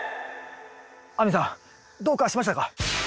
亜美さんどうかしましたか？